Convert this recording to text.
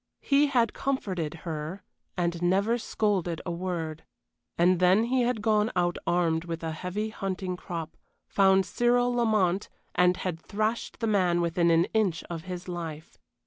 He had comforted her and never scolded a word, and then he had gone out armed with a heavy hunting crop, found Cyril Lamont, and had thrashed the man within an inch of his life.